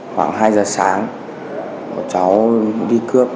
khoảng hai giờ sáng một cháu đi cướp